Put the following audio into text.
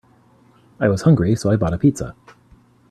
I was hungry, so I bought a pizza.